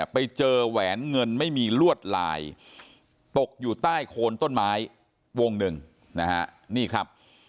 ไปเจอแหวนเงินไม่มีลวดลายตกอยู่ใต้โคนต้นไม้วงหนึ่งนะฮะนี่ครับ